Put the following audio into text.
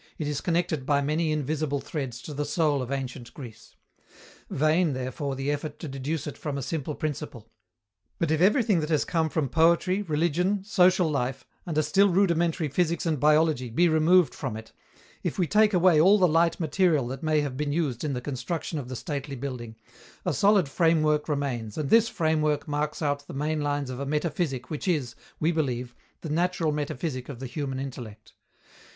It is connected by many invisible threads to the soul of ancient Greece. Vain, therefore, the effort to deduce it from a simple principle. But if everything that has come from poetry, religion, social life and a still rudimentary physics and biology be removed from it, if we take away all the light material that may have been used in the construction of the stately building, a solid framework remains, and this framework marks out the main lines of a metaphysic which is, we believe, the natural metaphysic of the human intellect.